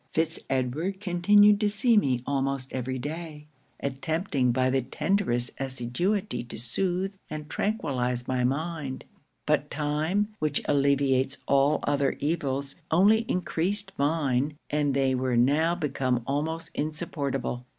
Fitz Edward continued to see me almost every day, attempting by the tenderest assiduity to soothe and tranquillize my mind. But time, which alleviates all other evils, only encreased mine; and they were now become almost insupportable.